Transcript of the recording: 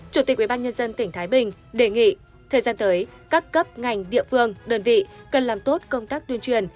chủ tịch ubnd tỉnh thái bình đề nghị thời gian tới các cấp ngành địa phương đơn vị cần làm tốt công tác tuyên truyền